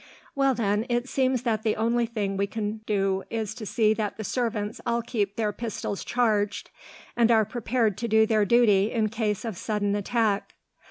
"Well, then, it seems that the only thing that we can do is to see that the servants all keep their pistols charged, and are prepared to do their duty in case of sudden attack.